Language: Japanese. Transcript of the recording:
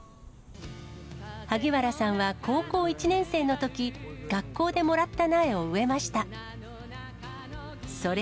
萩原さんは高校１年生のとき、学校でもらった苗を植えました。